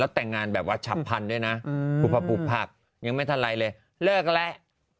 แต่งงานแบบว่าฉับพันธุ์ด้วยนะปลูกผักยังไม่ทันไรเลยเลิกแล้ว